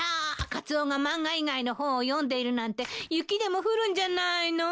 カツオが漫画以外の本を読んでいるなんて雪でも降るんじゃないの？